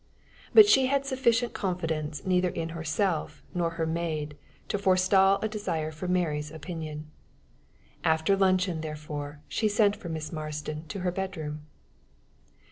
But she had sufficient confidence neither in herself nor her maid to forestall a desire for Mary's opinion. After luncheon, therefore, she sent for Miss Marston to her bedroom.